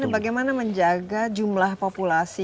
bagaimana menjaga jumlah populasi